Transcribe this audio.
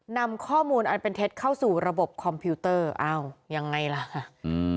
นำข้อมูลอันเป็นเท็จเข้าสู่ระบบคอมพิวเตอร์อ้าวยังไงล่ะอืม